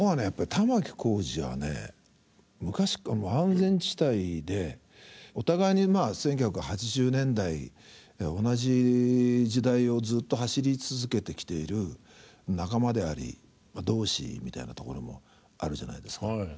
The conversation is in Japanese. やっぱり玉置浩二はね昔っから安全地帯でお互いに１９８０年代同じ時代をずっと走り続けてきている仲間であり同志みたいなところもあるじゃないですか。